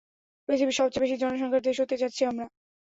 পৃথিবীর সবচেয়ে বেশি জনসংখ্যার দেশ হতে যাচ্ছি আমরা।